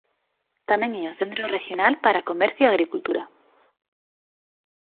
Tamén é o centro rexional para comercio e agricultura.